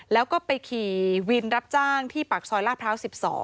แล้วก็ไปขี่วินรับจ้างที่ปากซอยลาดพร้าว๑๒